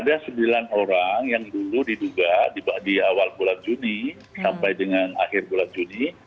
ada sembilan orang yang dulu diduga di awal bulan juni sampai dengan akhir bulan juni